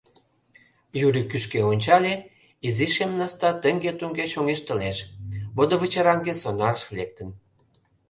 Юрик кӱшкӧ ончале — изи шем наста тыҥге-туҥге чоҥештылеш — водовычыраҥге сонарыш лектын.